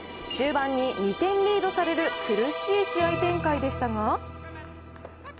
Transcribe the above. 終盤に２点リードされる苦しい試合展開でしたが。